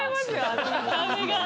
あの見た目が。